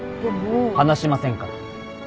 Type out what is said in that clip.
離しませんから。